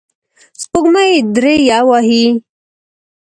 سپوږمۍ دریه وهي